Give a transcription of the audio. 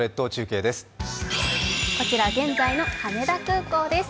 こちら、現在の羽田空港です。